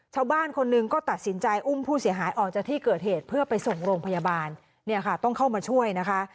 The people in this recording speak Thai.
ชาวบ้านคนหนึ่งก็ตัดสินใจอุ้มผู้เสียหายออกจากที่เกิดเหตุเพื่อไปส่งโรงพยาบาลเนี่ยค่ะต้องเข้ามาช่วยนะคะ